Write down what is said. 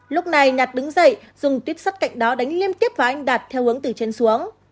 lúc này nhạt đứng dậy dùng tuyếp sắt cạnh đó đánh liên tiếp vào anh đạt theo hướng từ trên xuống